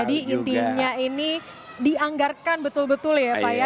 jadi intinya ini dianggarkan betul betul ya pak ya